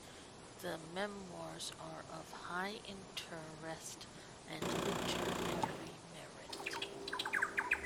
The "Memoirs" are of high interest and literary merit.